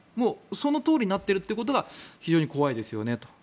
そのとおりになっているということが非常に怖いですよねと。